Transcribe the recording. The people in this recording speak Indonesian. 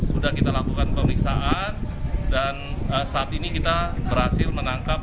sudah kita lakukan pemeriksaan dan saat ini kita berhasil menangkap